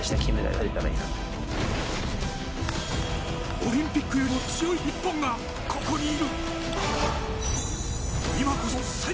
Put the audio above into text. オリンピックよりも強い日本が、ここにいる。